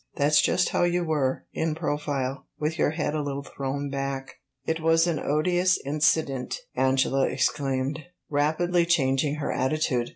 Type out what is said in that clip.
"That 's just how you were in profile with your head a little thrown back." "It was an odious incident!" Angela exclaimed, rapidly changing her attitude.